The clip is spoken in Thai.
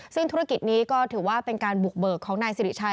ซึ่งธุรกิจนี้ก็ถือว่าเป็นการบุกเบิกของนายสิริชัย